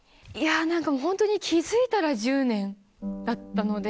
何かホントに気付いたら１０年だったので。